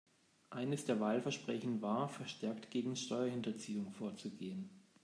Eines der Wahlversprechen war, verstärkt gegen Steuerhinterziehung vorzugehen.